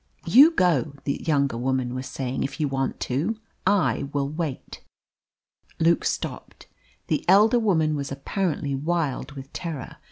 "You go," the younger woman was saying, "if you want to. I will wait." Luke stopped. The elder woman was apparently wild with terror.